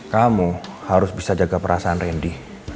kamu harus bisa jaga perasaan randy